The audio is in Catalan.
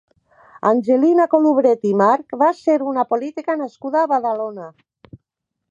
Angelina Colubret i March va ser una política nascuda a Badalona.